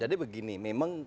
jadi begini memang